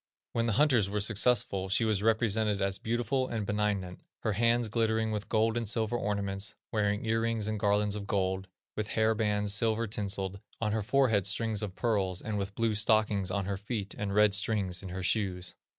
When the hunters were successful she was represented as beautiful and benignant, her hands glittering with gold and silver ornaments, wearing ear rings and garlands of gold, with hair bands silver tinseled, on her forehead strings of pearls, and with blue stockings on her feet, and red strings in her shoes.